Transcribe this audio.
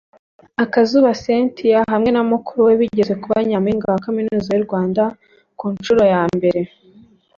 Akazuba Cynthia hamwe na mukuru we bigeze kuba nyampinga wa Kaminuza y’u Rwanda ku nshuro ya mbere